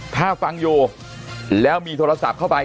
ถ้าฟังอยู่แล้วมีโทรศัพท์เข้าไป